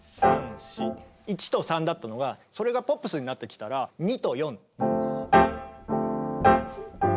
１と３だったのがそれがポップスになってきたら２と４。